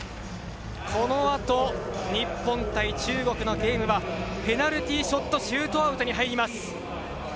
このあと、日本対中国のゲームはペナルティーショットシュートアウトに入ります。